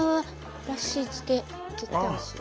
ラッシー漬け絶対おいしい。